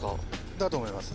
だと思います。